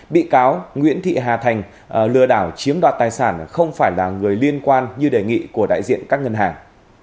bị cáo nguyễn thị hà thành lừa đảo chiếm đoạt tài sản không phải là người liên quan như đề nghị của đại diện các ngân hàng